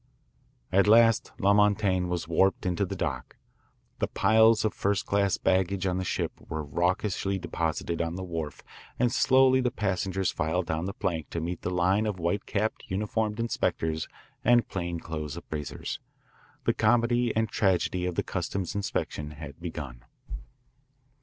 At last La Montaigne was warped into the dock. The piles of first class baggage on the ship were raucously deposited on the wharf and slowly the passengers filed down the plank to meet the line of white capped uniformed inspectors and plain clothes appraisers. The comedy and tragedy of the customs inspection had begun.